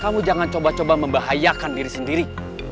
kamu jangan coba coba membahayakan diri sendiri